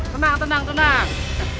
tenang tenang tenang